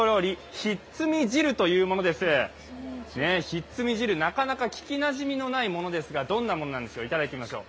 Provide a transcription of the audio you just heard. ひっつみ汁、なかなか聞きなじみのないものですが、どんな物でしょうか。